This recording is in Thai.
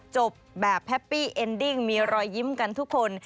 จบแบบแฮปปี้เอ็นดิ้งมีรอยยิ้มกันทุกคน